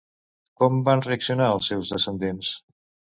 Com van reaccionar els seus descendents?